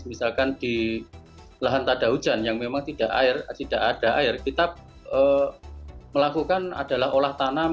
misalkan di lahan tak ada hujan yang memang tidak ada air kita melakukan adalah olah tanam